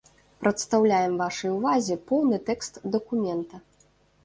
Прадстаўляем вашай увазе поўны тэкст дакумента.